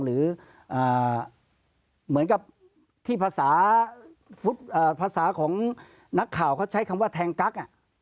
หรือเหมือนกับที่ภาษาภาษาของนักข่าวเขาใช้คำว่าแทงกั๊ก